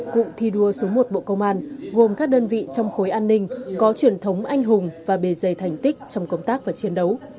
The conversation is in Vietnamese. cụm thi đua số một bộ công an gồm các đơn vị trong khối an ninh có truyền thống anh hùng và bề dày thành tích trong công tác và chiến đấu